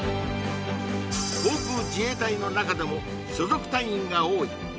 航空自衛隊の中でも所属隊員が多い